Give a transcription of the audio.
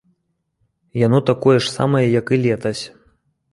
Яно такое ж самае, як і летась.